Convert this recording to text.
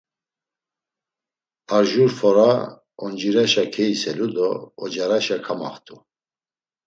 Ar jur fora oncireşa keiselu do ocareşa kamaxt̆u…